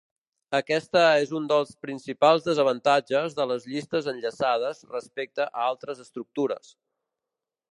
Aquesta és un dels principals desavantatges de les llistes enllaçades respecte a altres estructures.